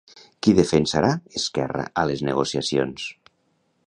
Qui defensarà Esquerra a les negociacions?